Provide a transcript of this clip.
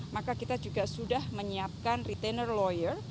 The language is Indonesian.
maka kita juga sudah menyiapkan retainer lawyer